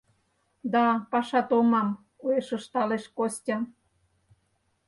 — Да, паша томам, — уэш ышталеш Костя.